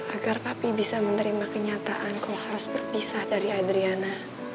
agar papi bisa menerima kenyataan kau harus berpisah dari adriana